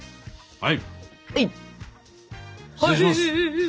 「はい」